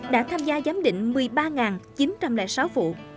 đã tham gia giám định một mươi ba chín trăm linh sáu vụ